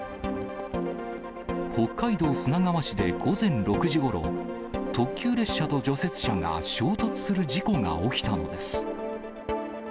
北海道砂川市で午前６時ごろ、特急列車と除雪車が衝突する事故が起きたのです。